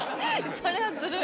それはずるい！